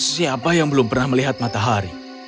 siapa yang belum pernah melihat matahari